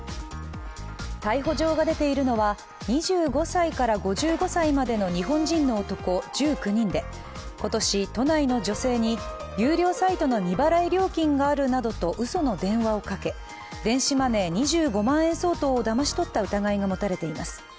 逮捕状が出ているのは２５歳から５５歳までの日本人の男１９人で今年、都内の女性に有料サイトの未払い料金があるなどとうその電話をかけ、電子マネー２５万円相当をだまし取った疑いが持たれています。